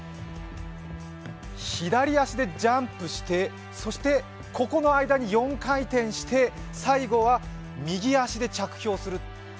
左足でジャンプして、そしてここの間に４回転して最後は右足で着氷する。